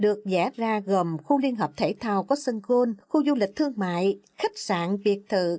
được vẽ ra gồm khu liên hợp thể thao có sân gôn khu du lịch thương mại khách sạn biệt thự